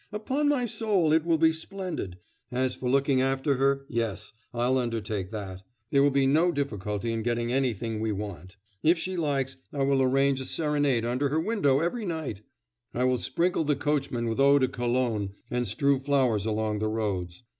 Upon my soul, it will be splendid. As for looking after her yes, I'll undertake that! There will be no difficulty in getting anything we want: if she likes, I will arrange a serenade under her window every night; I will sprinkle the coachmen with eau de cologne and strew flowers along the roads.